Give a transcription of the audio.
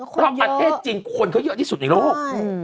เพราะประเทศจีนคนเขาเยอะที่สุดในโลก